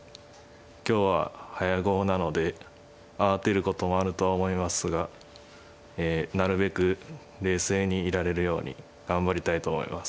今日は早碁なので慌てることもあるとは思いますがなるべく冷静にいられるように頑張りたいと思います。